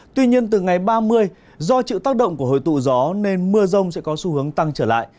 tuy nhiên từ ngày ba mươi do chịu tác động của hồi tụ gió nên mưa rông sẽ có xu hướng tăng trở lại